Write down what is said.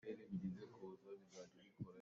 Zu nih an kua an rei.